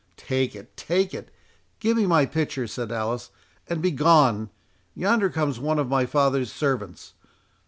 "Take it—take it—give me my pitcher," said Alice, "and begone,—yonder comes one of my father's servants.